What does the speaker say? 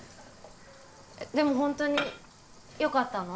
でも本当によかったの？